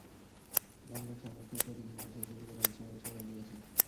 লাখ লাখ শরণার্থীর প্রতীক হিসেবে সেই ছবি গোটা বিশ্বের মানুষকে কাঁদিয়েছে।